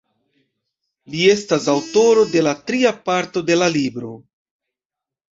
Li estas aŭtoro de la tria parto de la libro.